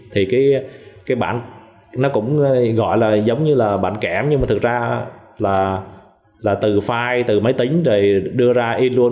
thì cái bản nó cũng gọi là giống như là bản kẽm nhưng mà thực ra là từ file từ máy tính rồi đưa ra in luôn